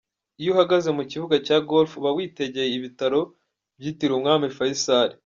Iyo uhagaze mu kibuga cya Golf uba witegeye ibitaro byitiriwe Umwami Faisal.